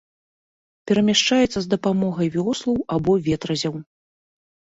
Перамяшчаецца з дапамогай вёслаў або ветразяў.